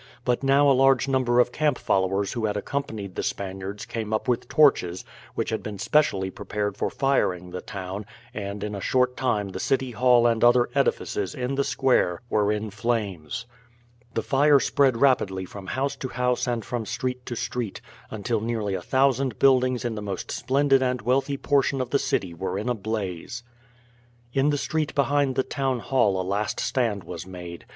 But now a large number of camp followers who had accompanied the Spaniards came up with torches, which had been specially prepared for firing the town, and in a short time the city hall and other edifices in the square were in flames. The fire spread rapidly from house to house and from street to street, until nearly a thousand buildings in the most splendid and wealthy portion of the city were in a blaze. In the street behind the town hall a last stand was made.